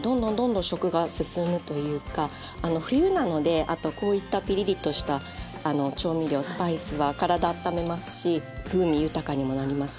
どんどんどんどん食が進むというか冬なのであとこういったピリリとした調味料・スパイスは体あっためますし風味豊かにもなりますしよく使います。